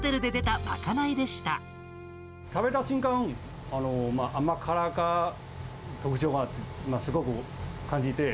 食べた瞬間、甘辛い特徴をすごく感じて。